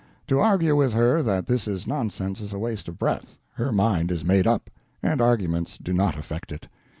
To argue with her that this is nonsense is a waste of breath—her mind is made up, and arguments do not affect it.